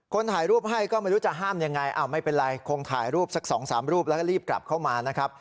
ถ่ายรูปให้ก็ไม่รู้จะห้ามยังไงไม่เป็นไรคงถ่ายรูปสัก๒๓รูปแล้วก็รีบกลับเข้ามานะครับ